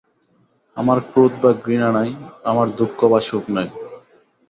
আমার ক্রোধ বা ঘৃণা নাই, আমার দুঃখ বা সুখ নাই।